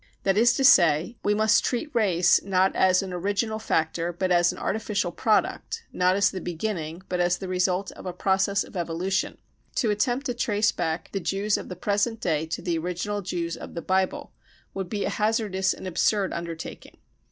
That is to say, we must treat race, not as an original factor, but as an artificial product, not as the beginning, but as the result of a process of evolution. To attempt to trace back the Jews of the present day to the original Jews of the Bible would be a hazardous and absurd undertaking.